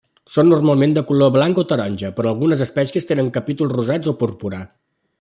Són normalment de color blanc a taronja però algunes espècies tenen capítols rosats o porpra.